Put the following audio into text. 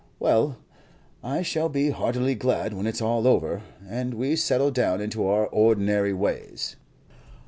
Well, I shall be heartily glad when it's all over, and we settle down into our ordinary ways."